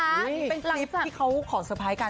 อันนี้เป็นคลิปที่เขาขอเซอร์ไพรส์กัน